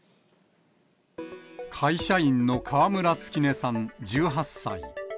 会社員の川村月音さん１８歳。